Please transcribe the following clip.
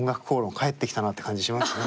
帰ってきたなって感じしますね。